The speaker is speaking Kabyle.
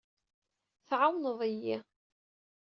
Tɛawned-iyi.